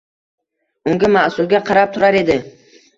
unga – mas’ulga qarab turar edi.